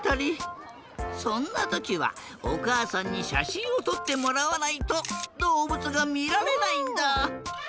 そんなときはおかあさんにしゃしんをとってもらわないとどうぶつがみられないんだ。